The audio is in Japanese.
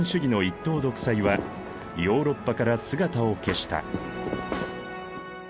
党独裁はヨーロッパから姿を消した。